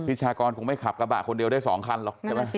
พิชากรคงไม่ขับกระบะคนเดียวได้๒คันหรอก